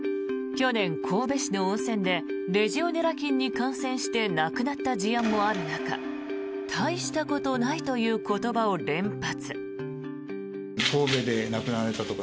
去年、神戸市の温泉でレジオネラ菌に感染して亡くなった事案もある中大したことないという言葉を連発。